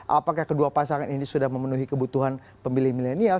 apakah kedua pasangan ini sudah memenuhi kebutuhan pemilih milenial